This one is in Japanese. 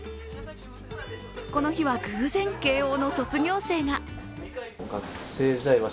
この日は偶然、慶応の卒業生が。